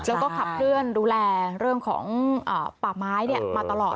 แล้วก็ขับเคลื่อนดูแลเรื่องของป่าไม้มาตลอด